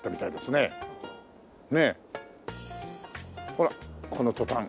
ほらこのトタン。